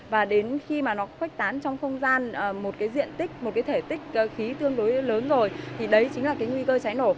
và đến khi mà nó khuếch tán trong không gian một cái diện tích một cái thể tích khí tương đối lớn rồi thì đấy chính là cái nguy cơ cháy nổ